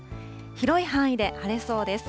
広い範囲で晴れそうです。